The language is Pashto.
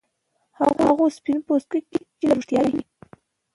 هغو سپین پوستکو کې چې له روغتیايي